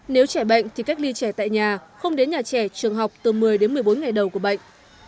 nếu trẻ bệnh thì cách ly trẻ tại nhà không đến nhà trẻ trường học từ một mươi đến một mươi bốn ngày đầu của bệnh